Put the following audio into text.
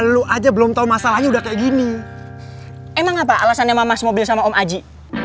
lu aja belum tahu masalahnya udah kayak gini emang apa alasannya mamas mobil sama om aji